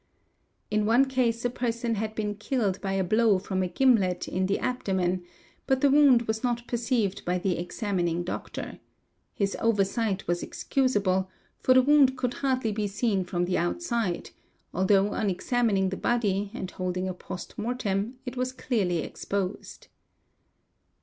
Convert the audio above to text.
In one case a person had been killed by a blow from a gimlet in the abdomen, but the wound was not perceived by the examining doctor. | His oversight was excusable, for the wound could hardly be seen from the outside; although on examining the body and holding a post mortem, it was clearly exposed.